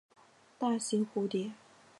大型蝴蝶。